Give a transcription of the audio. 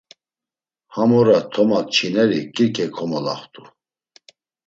Ham ora toma kçineri Kirke komolaxt̆u.